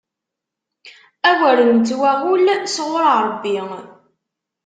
Awer nettwaɣull sɣuṛ Ṛebbi!